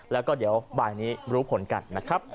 แล้วก็เดี๋ยวบ่ายนี้รู้ผลกันนะครับ